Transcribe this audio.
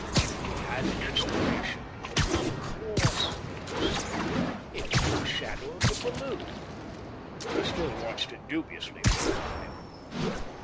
He had an inspiration. "Uv course!" he said. It was the shadow of the balloon. But he still watched it dubiously for a time.